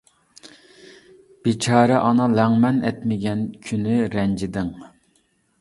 بىچارە ئانا لەڭمەن ئەتمىگەن كۈنى رەنجىدىڭ.